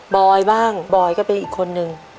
อยบ้างบอยก็เป็นอีกคนนึง